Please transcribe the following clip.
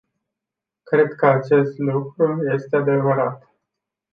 Cred că acest lucru este adevărat.